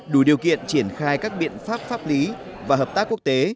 đủ điều kiện triển khai các biện pháp pháp lý và hợp tác quốc tế